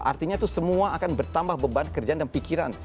artinya itu semua akan bertambah beban kerjaan dan pikiran